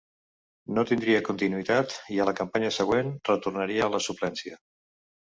No tindria continuïtat, i a la campanya següent retornaria a la suplència.